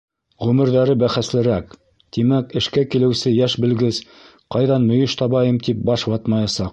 Ғүмерҙәре бәхәслерәк, Тимәк, эшкә килеүсе йәш белгес ҡайҙан мөйөш табайым тип баш ватмаясаҡ.